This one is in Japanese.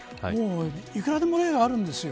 いくらでも例があるんですよ。